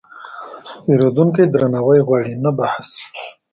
پیرودونکی درناوی غواړي، نه بحث.